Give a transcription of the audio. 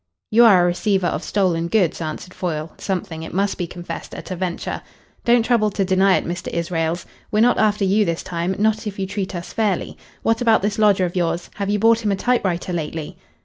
"You are a receiver of stolen goods," answered Foyle, something, it must be confessed, at a venture. "Don't trouble to deny it, Mr. Israels. We're not after you this time not if you treat us fairly. What about this lodger of yours? Have you bought him a typewriter lately?"